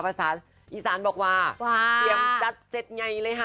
ภาษาอีสานบอกว่าเตรียมจัดเสร็จไงเลยค่ะ